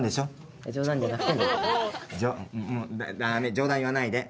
冗談言わないで。